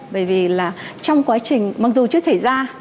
bởi vì trong quá trình mặc dù chưa thể ra